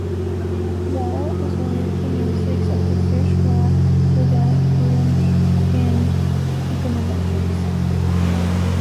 Waugh is one of the namesakes of the Frisch–Waugh–Lovell theorem in econometrics.